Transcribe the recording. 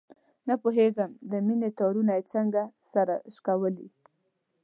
نه پوهېږم د مینې تارونه یې څنګه سره شکولي.